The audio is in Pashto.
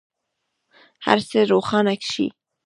هر څه یې روښانه شي.